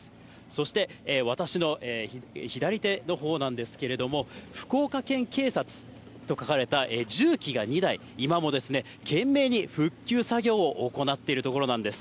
そして私の左手のほうなんですけれども、福岡県警察と書かれた重機が２台、今も懸命に復旧作業を行っているところなんです。